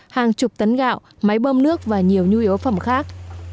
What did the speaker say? hàng chục tấn gạo máy bơm nước và nhiều nhu yếu phẩm khác